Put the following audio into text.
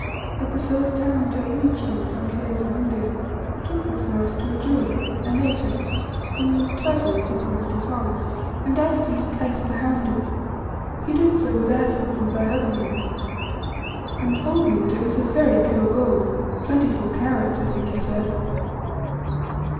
At the first town that I reached on the frontiers of India, I took this knife to a jeweller, a native, who was as clever as he proved dishonest, and asked him to test the handle. He did so with acids and by other means, and told me that it was of very pure gold, twenty four carats, I think he said.